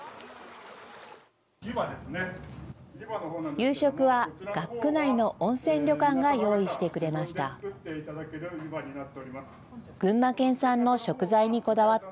夕食は学区内の温泉旅館が用意してくれました。